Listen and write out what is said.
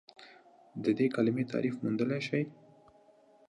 د دې کلمې تعریف موندلی شئ؟